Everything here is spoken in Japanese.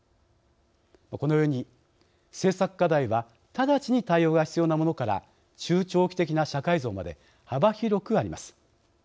このように政策課題は直ちに対応が必要なものから中長期的な社会像まで幅広くあります。